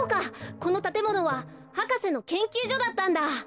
このたてものは博士のけんきゅうじょだったんだ！